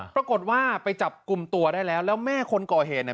ปรากฏว่าไปจับกลุ่มตัวได้แล้วแล้วแม่คนก่อเหตุเนี่ย